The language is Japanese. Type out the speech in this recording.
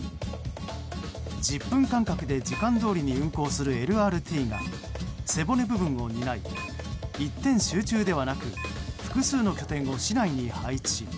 １０分間隔で時間どおりに運行するＬＲＴが背骨部分を担い一点集中ではなく複数の拠点を市内に配置。